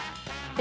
え？